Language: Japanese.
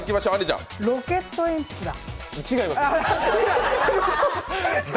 ロケット鉛筆だ。